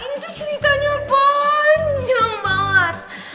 ini ceritanya panjang banget